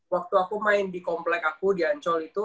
waktu aku main di komplek aku di ancol itu